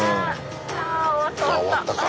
あ終わったか。